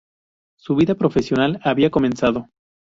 Su vida profesional había comenzado.